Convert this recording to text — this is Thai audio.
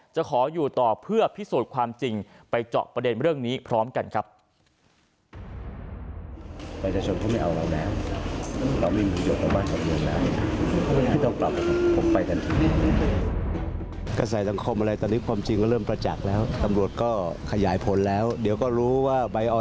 จะขออยู่ต่อเพื่อพิสูจน์ความจริงไปเจาะประเด็นเรื่องนี้พร้อมกันครับ